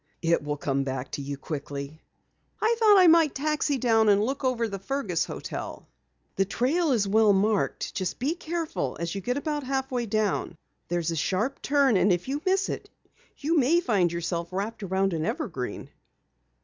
"It will come back to you quickly." "I thought I might taxi down and look over the Fergus hotel." "The trail is well marked. Just be careful as you get about half way down. There is a sharp turn and if you miss it you may find yourself wrapped around an evergreen."